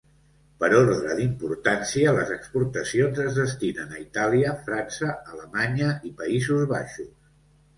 Per ordre d'importància, les exportacions es destinen a Itàlia, França, Alemanya i Països Baixos.